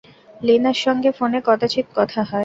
লীনার সঙ্গে ফোনে কদাচিৎ কথা হয়।